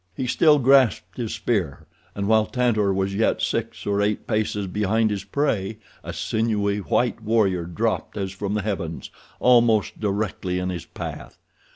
He still grasped his spear, and while Tantor was yet six or eight paces behind his prey, a sinewy white warrior dropped as from the heavens, almost directly in his path.